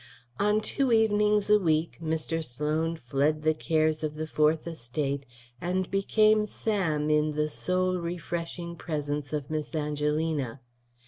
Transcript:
On two evenings a week Mr. Sloan fled the cares of the Fourth Estate and became Sam in the soul refreshing presence of Miss Angelina.